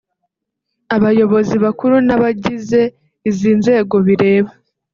abayobozi bakuru n’abagize izi nzego bireba